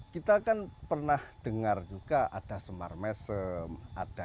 kita kan pernah dengar juga ada semar mesem ada